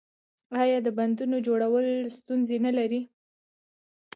آیا د بندونو جوړول ستونزې نلري؟